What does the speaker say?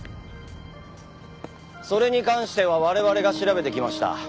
それに関しては我々が調べてきました。